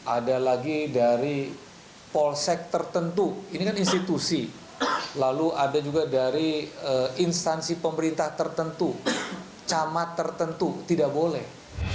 ada lagi dari polsek tertentu ini kan institusi lalu ada juga dari instansi pemerintah tertentu camat tertentu tidak boleh